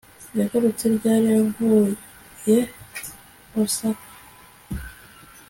Yagarutse ryari avuye Osaka